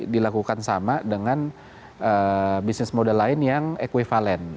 dilakukan sama dengan business model lain yang equivalent